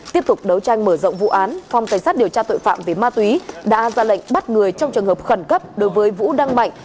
tiếp tục đấu tranh mở rộng vụ án phòng cảnh sát điều tra tội phạm về ma túy đã ra lệnh bắt người trong trường hợp khẩn cấp đối với vũ đăng mạnh